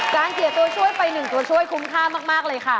เสียตัวช่วยไป๑ตัวช่วยคุ้มค่ามากเลยค่ะ